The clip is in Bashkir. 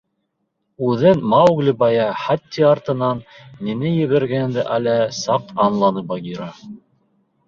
Үҙен Маугли бая Хати артынан ниңә ебәргәнде әле саҡ аңланы Багира.